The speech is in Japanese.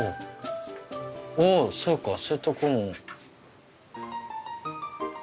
おぉそうかそういうとこも。